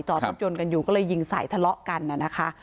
รถยนต์กันอยู่ก็เลยยิงสายทะเลาะกันน่ะนะคะ